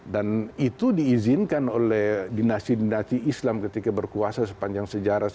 dan itu diizinkan oleh dinasti dinasti islam ketika berkuasa sepanjang sejarah